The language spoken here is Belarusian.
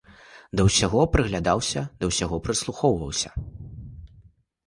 Да ўсяго прыглядаўся, да ўсяго прыслухоўваўся.